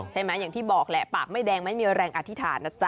อย่างที่บอกแหละปากไม่แดงไม่มีแรงอธิษฐานนะจ๊